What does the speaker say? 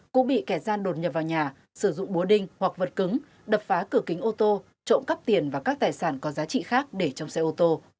cũng bị kẻ gian đột nhập vào nhà sử dụng búa đinh hoặc vật cứng đập phá cửa kính ô tô trộm cắp tiền và các tài sản có giá trị khác để trong xe ô tô